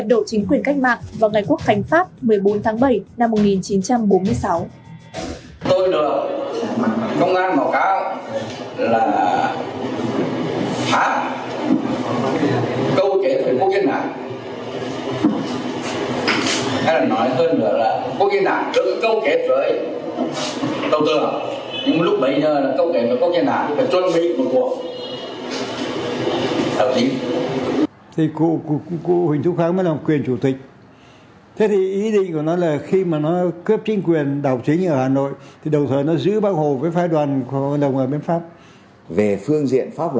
tổ chính quyền cách mạng vào ngày quốc khánh pháp một mươi bốn tháng bảy năm một nghìn chín trăm bốn mươi sáu